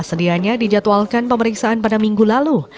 sedianya dijadwalkan pemeriksaan pada minggu lalu